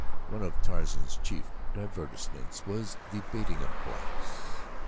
One of Tarzan's chief divertissements was the baiting of the blacks.